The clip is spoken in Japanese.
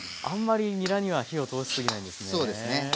あんまりにらには火を通しすぎないんですね。